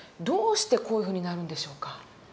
どうしてこういうふうになるんでしょうか。